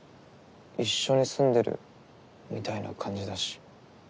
一緒に住んでるみたいな感じだし。